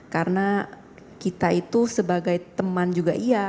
karena kita itu sebagai teman juga iya